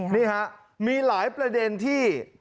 นี่ฮะมีหลายประเด็นที่